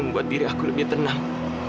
membuat diri aku lebih tenang